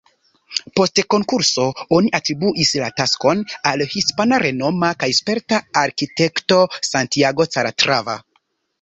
Post konkurso, oni atribuis la taskon al hispana renoma kaj sperta arkitekto Santiago Calatrava.